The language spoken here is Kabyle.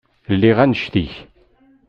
Lliɣ annect-ik.